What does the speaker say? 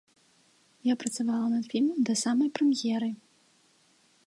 Я працавала над фільмам да самай прэм'еры.